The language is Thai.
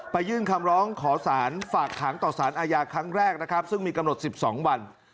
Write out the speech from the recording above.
ยื่นคำร้องขอสารฝากขังต่อสารอาญาครั้งแรกนะครับซึ่งมีกำหนด๑๒วัน